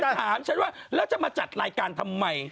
ถามฉันว่าแล้วจะมาจัดรายการทำไม